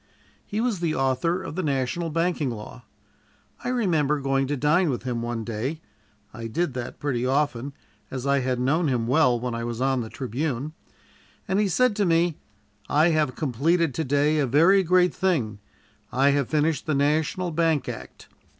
He was the author of the national banking law. I remember going to dine with him one day I did that pretty often, as I had known him well when I was on the Tribune and he said to me: "I have completed to day a very great thing. I have finished the National Bank Act.